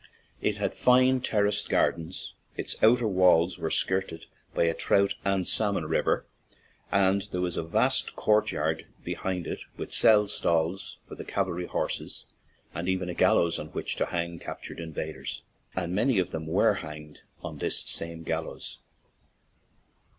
It had fine, terraced gardens, its outer walls were skirted by a trout and salmon river, and there was a vast court yard behind it with cell stalls for the cavalry horses, and even a gallows on which to hang captured invaders — and many of them were hanged on this same 9 ON AN IRISH JAUNTING CAR gallows.